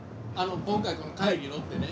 今回この海里乗ってね。